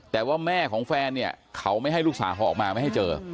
แต่ว่าแม่ของแฟนเนี่ยเขาไม่ให้ลูกสาวเขาออกมาไม่ให้เจอ